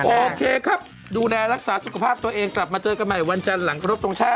โอเคครับดูแลรักษาสุขภาพตัวเองกลับมาเจอกันใหม่วันจันทร์หลังครบทรงชาติ